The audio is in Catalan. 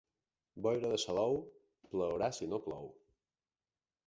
Boira de Salou, plourà si no plou.